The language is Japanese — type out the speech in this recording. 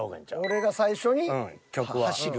俺が最初に走る？